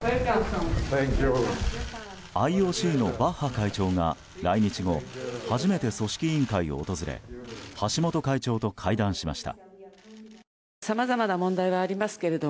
ＩＯＣのバッハ会長が来日後初めて組織委員会を訪れ橋本会長と会談しました。